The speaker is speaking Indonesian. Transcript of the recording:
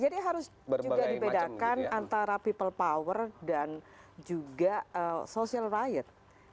jadi harus juga dibedakan antara people power dan juga social riot